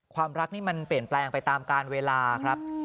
ความรักนี่มันเปลี่ยนแปลงไปตามการเวลาครับ